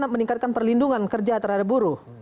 meningkatkan perlindungan kerja terhadap buruh